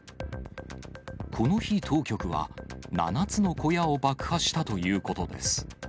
この日、当局は、７つの小屋を爆破したということです。